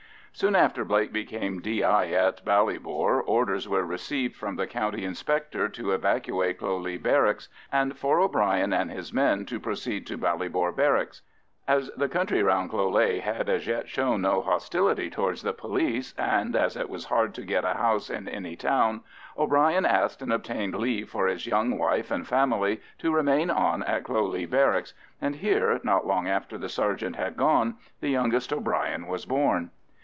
Soon after Blake became D.I. at Ballybor, orders were received from the County Inspector to evacuate Cloghleagh Barracks, and for O'Bryan and his men to proceed to Ballybor Barracks. As the country round Cloghleagh had as yet shown no hostility towards the police, and as it was hard to get a house in any town, O'Bryan asked and obtained leave for his young wife and family to remain on at Cloghleagh Barracks; and here, not long after the sergeant had gone, the youngest O'Bryan was born.